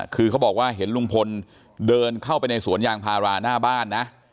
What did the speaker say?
คือเขาบอกว่าเห็นลุงพลเดินเข้าไปในสวนยางพาราหน้าบ้านนะ